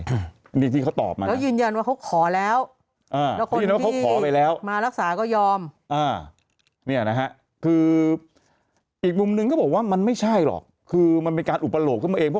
ยินยันว่าเขาขอแล้ว